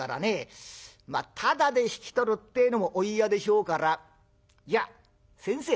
まあただで引き取るってえのもお嫌でしょうからじゃあ先生